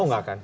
oh gak akan